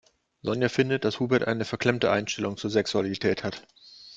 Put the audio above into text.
Sonja findet, dass Hubert eine verklemmte Einstellung zur Sexualität hat.